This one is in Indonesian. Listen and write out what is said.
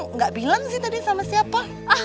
nggak bilang sih tadi sama siapa